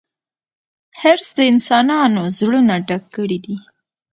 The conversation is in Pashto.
حرص د انسانانو زړونه ډک کړي دي.